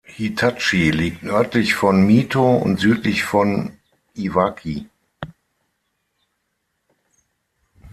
Hitachi liegt nördlich von Mito und südlich von Iwaki.